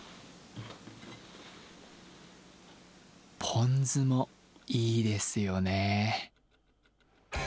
ポン酢もいいですよね。